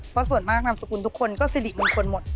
เพราะส่วนมากนามสกุลทุกคนก็สิริมงคลหมด